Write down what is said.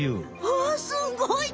おすごい！